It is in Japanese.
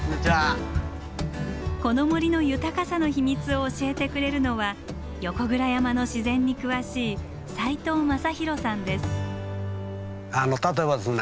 この森の豊かさの秘密を教えてくれるのは横倉山の自然に詳しい例えばですね